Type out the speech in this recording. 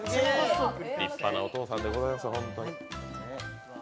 立派なお父さんでございます、ホントに。